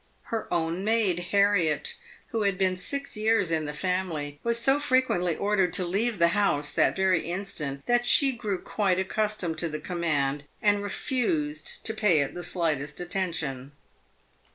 Her own maid, Harriet, 2c 386 PAVED WITH GOLD. who had been six years in the family, was so frequently ordered to "leave the house that very instant," that she grew quite accus tomed to the command, and refused to pay it the slightest attention.